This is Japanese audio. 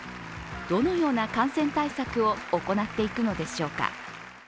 どのような感染対策を行っていくのでしょうか。